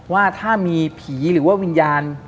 ว่าถ้ามีผีหรือว่าวิญญาณ